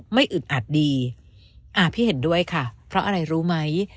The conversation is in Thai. อึดอัดดีอ่าพี่เห็นด้วยค่ะเพราะอะไรรู้ไหม